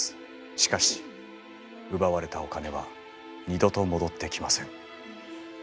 しかし奪われたお金は二度と戻ってきません。